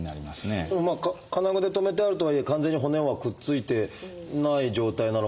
でも金具で留めてあるとはいえ完全に骨はくっついてない状態なのかもしれない。